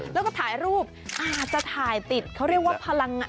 แล้วก็ถ่ายรูปอาจจะถ่ายติดเขาเรียกว่าพลัง